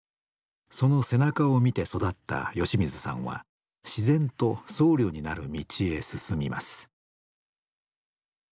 その背中を見て育った吉水さんは自然と僧侶になる道へ進みます。